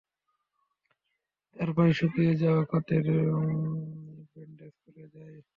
তার প্রায় শুকিয়ে যাওয়া ক্ষতের ব্যাণ্ডেজ খুলে যায়।